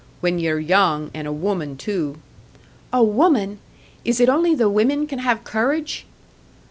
"When ye're young, and a woman too " "A woman! Is it only the women that can have courage?"